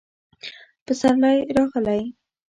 پسرلی راغلی